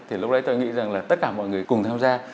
thì lúc đấy tôi nghĩ rằng là tất cả mọi người cùng tham gia